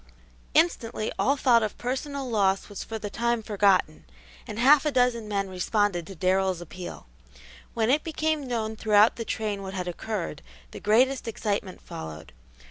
Instantly all thought of personal loss was for the time forgotten, and half a dozen men responded to Darrell's appeal. When it became known throughout the train what had occurred, the greatest excitement followed.